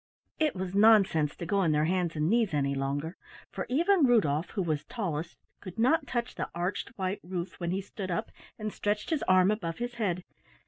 It was nonsense to go on their hands and knees any longer, for even Rudolf, who was tallest, could not touch the arched white roof when he stood up and stretched his arm above his head.